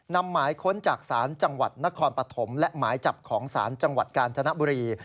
หมายค้นจากศาลจังหวัดนครปฐมและหมายจับของศาลจังหวัดกาญจนบุรี